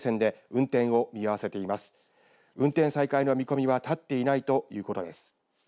運転再開の見込みは立っていないということです。